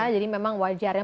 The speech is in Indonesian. jadi memang wajarnya